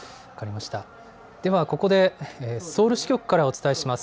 ではここでソウル支局からお伝えします。